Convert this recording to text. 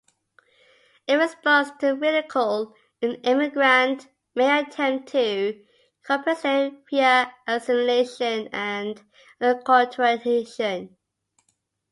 In response to ridicule, an immigrant may attempt to compensate via assimilation and acculturation.